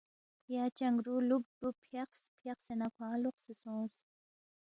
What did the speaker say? یا چنگرو لُوب بُوب فیاقس، فیاقسے نہ کھوانگ لوقسے سونگس